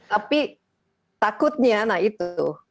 tapi takutnya nah itu